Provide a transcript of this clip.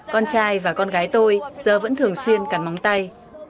con trai và con gái tôi giờ vẫn thường xuyên cắn móng tay